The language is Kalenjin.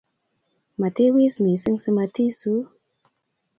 matiwis mising simatisuu